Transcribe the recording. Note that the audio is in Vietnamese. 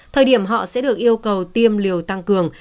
thời điểm họ sẽ được yêu cầu tiêm liều tăng cường